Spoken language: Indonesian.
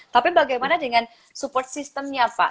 tapi bagaimana dengan support systemnya pak